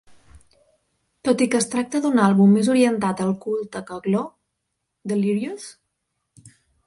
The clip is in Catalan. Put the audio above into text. Tot i que es tracta d'un àlbum més orientat al culte que "Glo", Delirious?